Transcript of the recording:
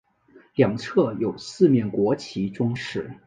两侧有四面国旗装饰。